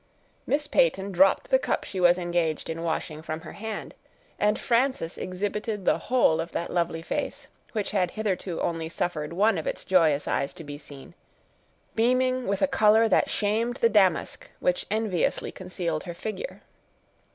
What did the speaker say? Miss Peyton dropped the cup she was engaged in washing, from her hand; and Frances exhibited the whole of that lovely face, which had hitherto only suffered one of its joyous eyes to be seen, beaming with a color that shamed the damask which enviously concealed her figure.